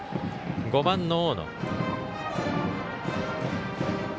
５番の大野。